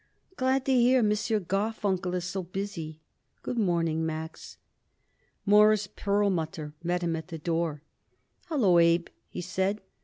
"Glad to hear M. Garfunkel is so busy. Good morning, Max." Morris Perlmutter met him at the door. "Hallo, Abe," he cried.